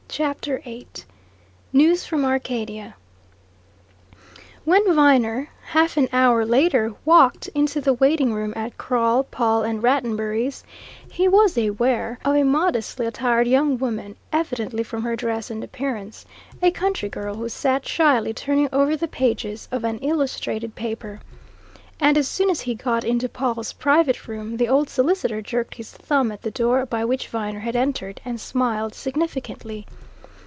CHAPTER VIII NEWS FROM ARCADIA When Viner, half an hour later, walked into the waiting room at Crawle, Pawle and Rattenbury's, he was aware of a modestly attired young woman, evidently, from her dress and appearance, a country girl, who sat shyly turning over the pages of an illustrated paper. And as soon as he got into Pawle's private room, the old solicitor jerked his thumb at the door by which Viner had entered, and smiled significantly.